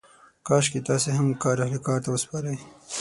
کاشکې تاسې هم کار اهل کار ته وسپارئ.